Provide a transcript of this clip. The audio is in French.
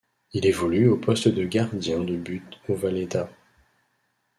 Il évolue au poste de gardien de but au Valletta.